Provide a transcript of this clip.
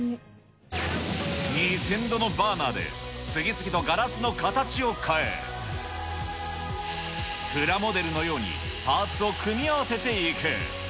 ２０００度のバーナーで、次々とガラスの形を変え、プラモデルのようにパーツを組み合わせていく。